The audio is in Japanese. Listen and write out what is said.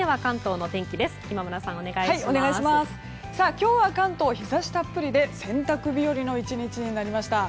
今日は関東日差したっぷりで洗濯日和の１日になりました。